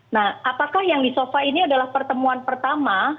nah apakah yang di sofa ini adalah pertemuan pertama